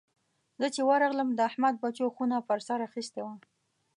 زه چې ورغلم؛ د احمد بچو خونه پر سر اخيستې وه.